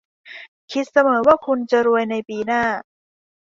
คิดเสมอว่าคุณจะรวยในปีหน้า